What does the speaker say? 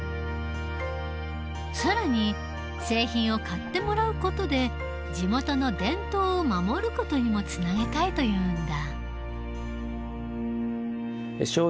更に製品を買ってもらう事で地元の伝統を守る事にもつなげたいというんだ。